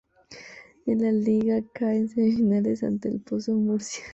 En la Liga cae en semifinales ante el ElPozo Murcia.